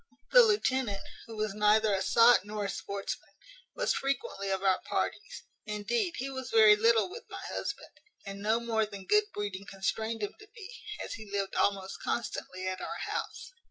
"The lieutenant, who was neither a sot nor a sportsman, was frequently of our parties; indeed he was very little with my husband, and no more than good breeding constrained him to be, as he lived almost constantly at our house.